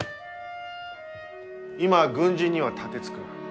今は軍人には盾つくな。